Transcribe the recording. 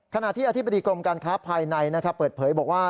ขณะที่อธิบดีกรมการค้าภายในเปิดเผยบอกว่า